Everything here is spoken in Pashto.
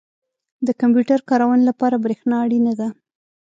• د کمپیوټر کارونې لپاره برېښنا اړینه ده.